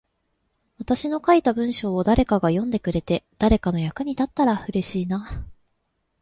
私の書いた文章を誰かが読んでくれて、誰かの役に立ったら嬉しいな。